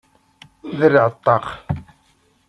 Derreɛ ṭṭaq!